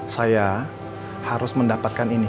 saya harus mendapatkan ini